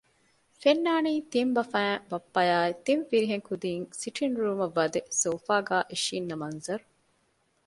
ފެންނާނީ ތިން ބަފައިން ބައްޕައާއި ތިން ފިރިހެން ކުދީން ސިޓިންގ ރޫމަށް ވަދެ ސޯފާގައި އިނށީންނަ މަންޒަރު